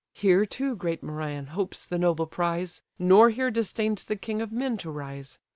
Here too great Merion hopes the noble prize; Nor here disdain'd the king of men to rise.